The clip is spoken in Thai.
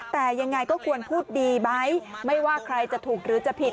แต่ยังไงก็ควรพูดดีไหมไม่ว่าใครจะถูกหรือจะผิด